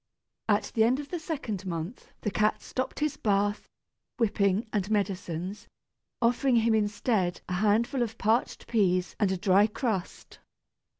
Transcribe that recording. At the end of the second month the cat stopped his bath, whipping, and medicines, offering him instead a handful of parched peas and a dry crust.